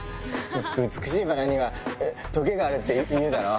美しいばらにはとげがあるっていうだろう。